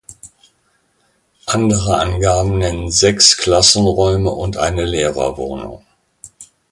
Andere Angaben nennen sechs Klassenräume und eine Lehrerwohnung.